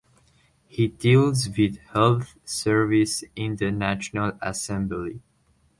He deals with health service in the National Assembly.